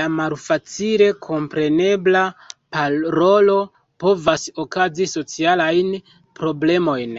La malfacile komprenebla parolo povas okazi socialajn problemojn.